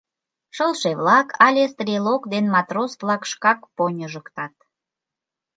Шылше-влак але стрелок ден матрос-влак шкак поньыжыктат?